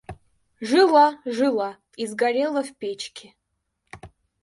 Жила, жила и сгорела в печке.